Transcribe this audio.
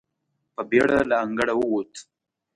په بېړه له انګړه ووت.